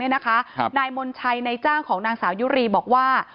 นายมนชัยในจ้างของนางสาวยุรีบอกว่า